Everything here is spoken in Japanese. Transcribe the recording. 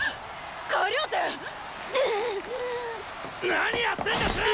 何やってんだテン！